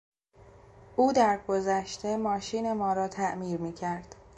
او در گذشته ماشین ما را تعمیر میکرد.